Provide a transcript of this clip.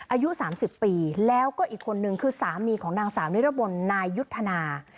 อายุ๓๐ปีแล้วก็อีกคนนึงคือสามีของนางสาวนิรบลนายยุทธนา